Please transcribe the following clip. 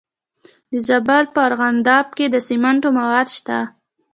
د زابل په ارغنداب کې د سمنټو مواد شته.